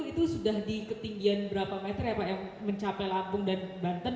itu sudah di ketinggian berapa meter ya pak yang mencapai lampung dan banten